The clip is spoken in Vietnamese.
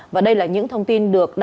và đây là những thông tin được tìm ra